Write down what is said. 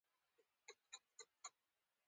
کار کول روغتیا ته ګټه رسوي.